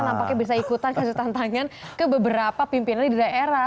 nampaknya bisa ikutan kasih tantangan ke beberapa pimpinan di daerah